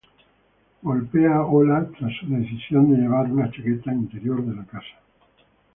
Él golpea Ola tras su decisión de llevar una chaqueta interior de la casa.